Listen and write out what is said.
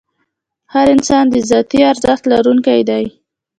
هر انسان د ذاتي ارزښت لرونکی دی.